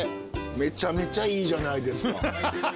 めちゃめちゃいいじゃないですか。